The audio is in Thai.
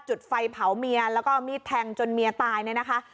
จุดไฟเผาเมียแล้วก็เอามีดแทงจนเมียตายเนี่ยนะคะ